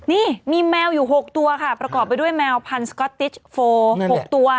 นี่มีแมวอยู่๖ตัวค่ะประกอบไปด้วยแมวพันธ์สก๊อตติชโฟ๖ตัว